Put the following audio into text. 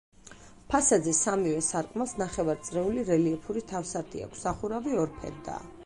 ფასადზე სამივე სარკმელს ნახევარწრიული, რელიეფური თავსართი აქვს, სახურავი ორფერდაა.